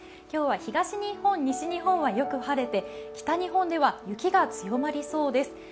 今日は東日本、西日本はよく晴れて北日本では雪が積もりそうです。